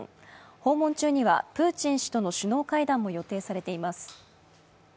訪問中にはプーチン氏との首脳会談も予定されています。